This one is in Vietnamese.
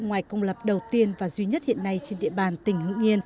ngoài công lập đầu tiên và duy nhất hiện nay trên địa bàn tỉnh hương yên